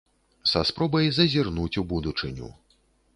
Са спробай зазірнуць у будучыню.